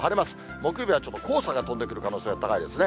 木曜日はちょっと黄砂が飛んでくる可能性が高いですね。